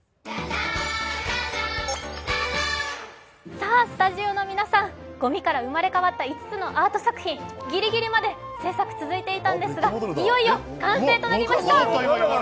さぁ、スタジオの皆さん、ごみから生まれ変わった５つのアート作品、ぎりぎりまで製作続いていたんですがいよいよ完成となりました。